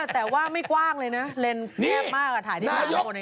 แต่ว่าไม่กว้างเลยนะเหลนแบบมากถ่ายที่นี่นายก